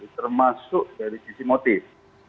termasuk dari sisi motif